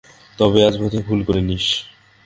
তবে আজ বোধহয় ভুল করে নি।